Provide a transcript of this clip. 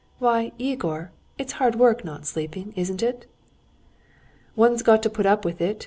"Well, Yegor, it's hard work not sleeping, isn't it?" "One's got to put up with it!